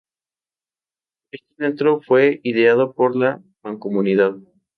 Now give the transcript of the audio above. Este centro fue ideado por la Mancomunidad.